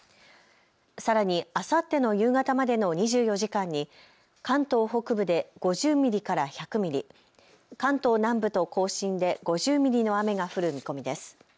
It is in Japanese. さらにあさっての夕方までの２４時間に関東北部で５０ミリから１００ミリ、関東南部と甲信で５０ミリの雨が降る見込みです。